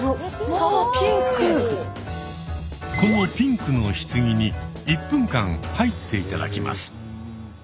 このピンクの棺に１分間入って頂きます。